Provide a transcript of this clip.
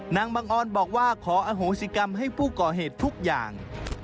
นางบังออนบอกว่าขออโหสิกรรมให้ผู้ก่อเหตุทุกอย่าง